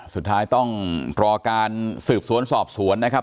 สุดท้ายต้องรอการสืบสวนสอบสวนนะครับ